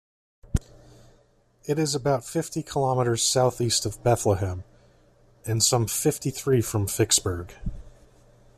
It is about fifty kilometres south-east of Bethlehem, and some fifty-three from Ficksburg.